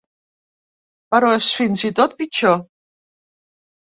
Però és fins i tot pitjor.